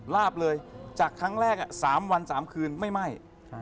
ลาบเลยจากครั้งแรก๓วัน๓คืนไม่ไหม้